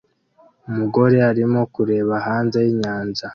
Umugore arimo kureba hanze yinyanja